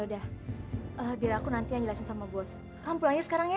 udah hampir aku nanti yang jelasin sama bos kamu pulangnya sekarang ya